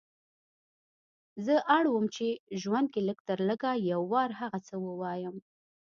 زه اړه وم په ژوند کې لږ تر لږه یو وار هغه څه ووایم.